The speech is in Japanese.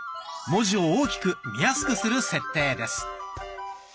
文字を大きく見やすくする設定です。